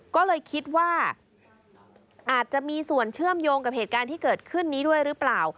ก็เลยคิดว่าอาจจะมีส่วนเชื่อมโยงกับเหตุการณ์ที่เกิดขึ้นนี้ด้วยหรือเปล่า